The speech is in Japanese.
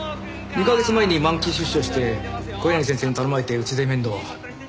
２カ月前に満期出所して小柳先生に頼まれてうちで面倒を。